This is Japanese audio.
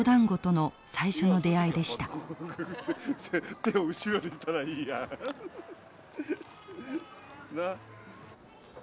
手を後ろにしたらいいやん。